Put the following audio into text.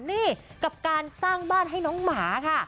นี่กับการสร้างบ้านให้น้องหมาค่ะ